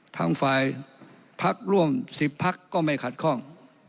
ทางฝ่ายพักร่วม๑๐พักก็ไม่ขัดข้อง